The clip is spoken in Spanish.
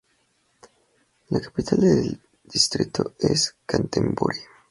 La capital del distrito es Canterbury.